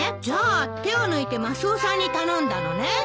じゃあ手を抜いてマスオさんに頼んだのね。